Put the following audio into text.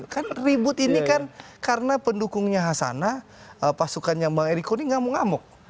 kan ribut ini kan karena pendukungnya hasanah pasukannya bang eriko ini ngamuk ngamuk